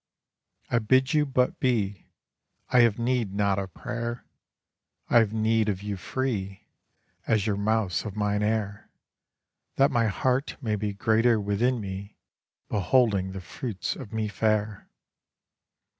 I bid you but be; I have need not of prayer; I have need of you free As your mouths of mine air; That my heart may be greater within me, beholding the fruits of me fair.